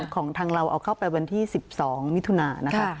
ของทางเราเอาเข้าไปวันที่๑๒มิถุนานะคะ